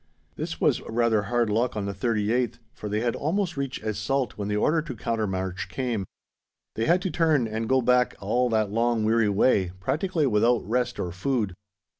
This was rather hard luck on the 38th, for they had almost reached Es Salt when the order to counter march came. They had to turn and go back all that long weary way, practically without rest or food.